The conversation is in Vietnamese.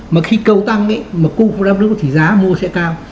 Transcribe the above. mà khi cầu tăng ý mà cung của đất nước thì giá mua sẽ cao